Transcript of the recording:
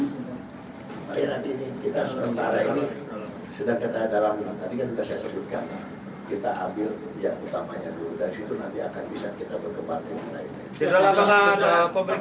ya nanti ini kita sudah memarah ini